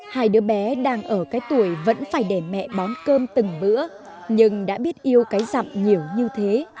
hai đứa bé đang ở cái tuổi vẫn phải để mẹ bón cơm từng bữa nhưng đã biết yêu cái dặm nhiều như thế